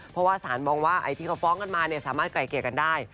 เพราะว่าสารมองว่าไอ้ที่เขาฟ้องกันมาเนี่ยสามารถไกลเกลียกันได้